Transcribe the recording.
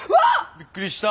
びっくりした。